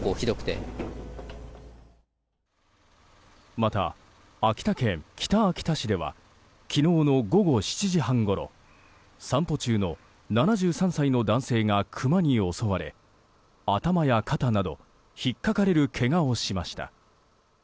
また、秋田県北秋田市では昨日の午後７時半ごろ散歩中の７３歳の男性がクマに襲われ頭や肩など引っかかれるけがをしました。